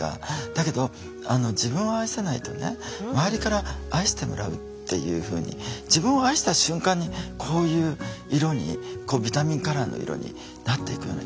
だけど自分を愛せないとね周りから愛してもらうっていうふうに自分を愛した瞬間にこういう色にビタミンカラーの色になっていくような気がするんですよね。